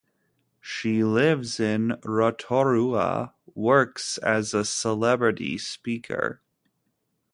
She lives in Rotorua, works as a celebrity speaker.